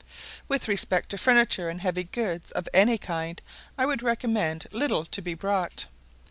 With respect to furniture and heavy goods of any kind, I would recommend little to be brought.